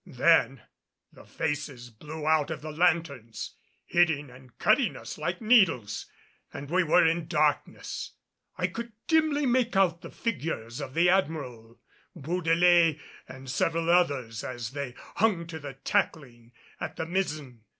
Then the faces blew out of the lanthorns, hitting and cutting us like needles, and we were in darkness. I could dimly make out the figures of the Admiral, Bourdelais, and several others as they hung to the tackling at the mizzen.